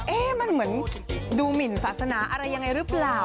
เอ๊ะมันเหมือนดูหมินศาสนาอะไรยังไงหรือเปล่า